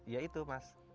ya itu mas